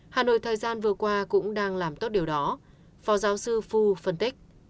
hà nội thời gian vừa qua cũng đang làm tốt điều đó phó giáo sư phu phân tích